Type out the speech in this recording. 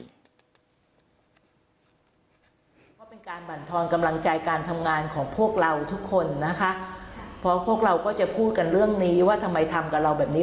กำลังใจการทำงานของพวกเราทุกคนนะคะพอพวกเราก็จะพูดกันเรื่องนี้ว่าทำไมทำกับเราแบบนี้